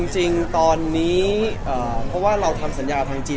จริงตอนนี้เพราะว่าเราทำสัญญาทางจีน